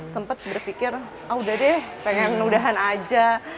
sempat berpikir ah udah deh pengen mudahan aja